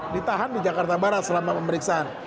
ditahan di jakarta barat selama pemeriksaan